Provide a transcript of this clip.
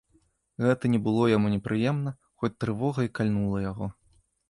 Гэта не было яму непрыемна, хоць трывога і кальнула яго.